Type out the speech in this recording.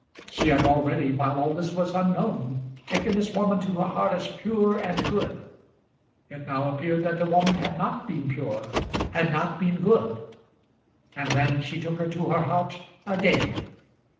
She had already, while all this was unknown, taken this woman to her heart as pure and good. It now appeared that the woman had not been pure, had not been good! And then she took her to her heart again!